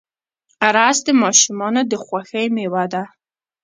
رس د ماشومانو د خوښۍ میوه ده